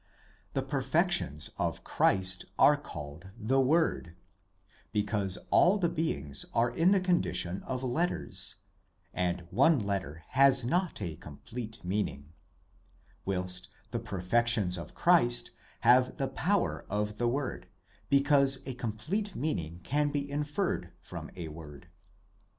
The perfections of Christ are called the Word, because all the beings are in the condition of letters, and one letter has not a complete meaning; whilst the perfections of Christ have the power of the word, because a com plete meaning can be inferred from a word.